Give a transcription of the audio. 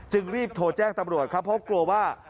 รีบโทรแจ้งตำรวจครับเพราะกลัวว่า